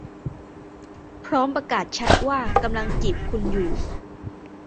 พร้อมประกาศชัดว่ากำลังจีบคุณอยู่